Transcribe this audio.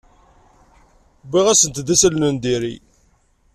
Wwiɣ-asent-d isalan n diri.